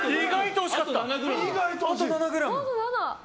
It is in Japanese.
あと７ｇ。